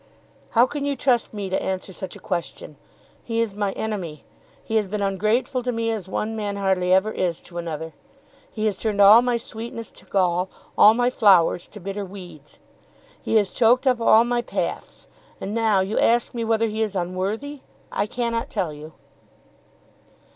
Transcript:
"How can you trust me to answer such a question? He is my enemy. He has been ungrateful to me as one man hardly ever is to another. He has turned all my sweetness to gall, all my flowers to bitter weeds; he has choked up all my paths. And now you ask me whether he is unworthy! I cannot tell you."